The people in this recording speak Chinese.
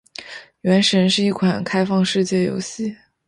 《原神》是一款开放世界游戏。